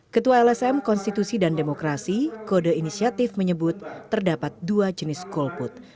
ketua lsm konstitusi dan demokrasi kode inisiatif menyebut terdapat dua jenis golput